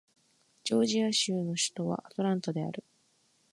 ジョージア州の州都はアトランタである